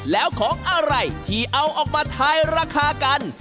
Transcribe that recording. แล้วของอะไรที่เอาออกมาทายราคากัน